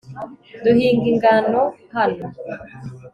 duhinga ingano hano